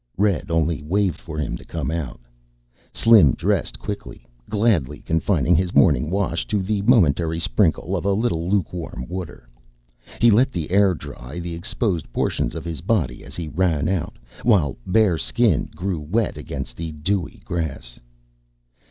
Red only waved for him to come out. Slim dressed quickly, gladly confining his morning wash to the momentary sprinkle of a little lukewarm water. He let the air dry the exposed portions of his body as he ran out, while bare skin grew wet against the dewy grass.